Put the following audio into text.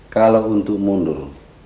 kalau untuk mundur